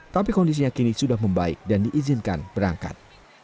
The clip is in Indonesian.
tapi kondisinya kini sudah membaik dan diizinkan berangkat